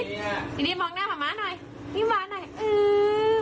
ดิดดิมองหน้ามาม่าหน่อยนี่มาหน่อย